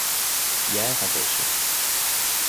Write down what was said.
Hier on pêchait.